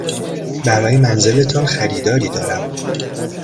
برای منزلتان خریداری دارم.